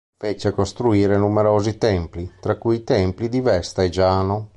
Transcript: Fece costruire numerosi templi, tra cui i templi di Vesta e Giano.